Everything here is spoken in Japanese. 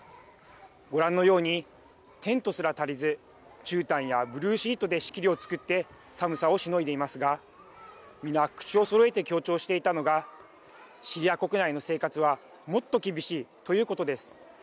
ご覧のように、テントすら足りずじゅうたんやブルーシートで仕切りを作って寒さをしのいでいますが皆口をそろえて強調していたのがシリア国内の生活はもっと厳しいということです。